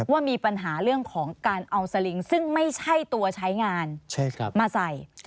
ว่ามีปัญหาเรื่องของการเอาสลิงซึ่งไม่ใช่ตัวใช้งานมาใส่